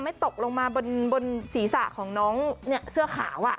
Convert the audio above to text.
ไม่ตกลงมาบนศีรษะของน้องเนี่ยเสื้อขาวอ่ะ